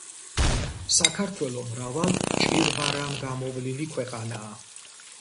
საქართველო მრავალ ჭირვარამგამოვლილი ქვეყანაა